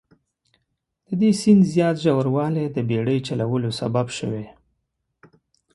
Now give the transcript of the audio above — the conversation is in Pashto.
د دې سیند زیات ژوروالی د بیړۍ چلولو سبب شوي.